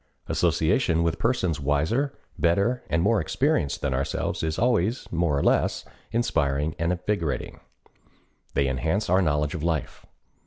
Association with persons wiser, better, and more experienced than ourselves is always more or less inspiring and invigorating. They enhance our knowledge of life.